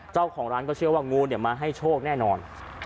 เจ้าของร้านก็เชื่อว่างูมาให้โชคแน่นอน